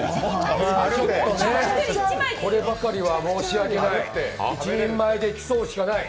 ちょっとね、こればかりは申し訳ない、１人前で競うしかない。